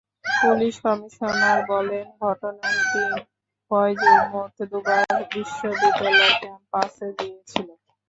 Police commissioner বলেন, ঘটনার দিন ফয়জুর মোট দুবার বিশ্ববিদ্যালয় ক্যাম্পাসে গিয়েছিল।